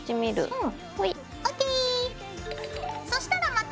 うん。